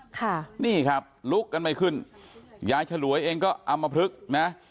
ค่ะนี่ครับลุกกันไม่ขึ้นยายฉลวยเองก็อำมพลึกนะ